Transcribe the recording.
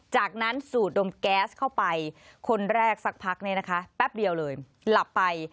จากนั้นสูดดมแก๊สเข้าไปคนแรกสักพักเนี่ยนะคะแป๊บเดียวเลยหลับไป